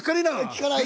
聞かない。